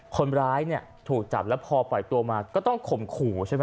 คนร้ายเนี่ยถูกจับแล้วพอปล่อยตัวมาก็ต้องข่มขู่ใช่ไหม